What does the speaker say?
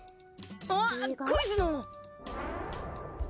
あっクイズの！